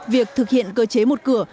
việc thực hiện cơ chế một cường